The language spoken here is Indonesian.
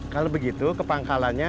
kalau begitu ke pangkalannya